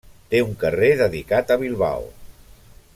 Té un carrer dedicat a Bilbao.